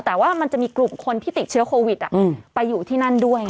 แต่ว่ามันจะมีกลุ่มคนที่ติดเชื้อโควิดไปอยู่ที่นั่นด้วย